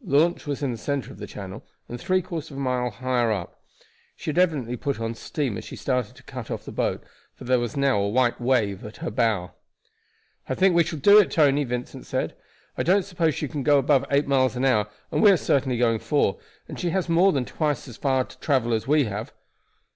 The launch was in the center of the channel, and three quarters of a mile higher up. She had evidently put on steam as she started to cut off the boat, for there was now a white wave at her bow. "I think we shall do it, Tony," Vincent said. "I don't suppose she can go above eight miles an hour and we are certainly going four, and she has more than twice as far to travel as we have."